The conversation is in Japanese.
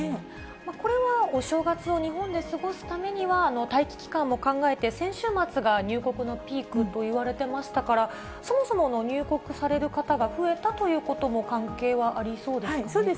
これはお正月を日本で過ごすためには、待機期間も考えて、先週末が入国のピークといわれてましたから、そもそもの入国される方が増えたということも関係はありそうです